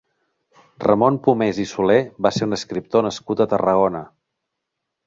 Ramon Pomés i Soler va ser un escriptor nascut a Tarragona.